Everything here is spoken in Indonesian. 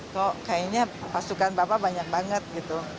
kok kayaknya pasukan bapak banyak banget gitu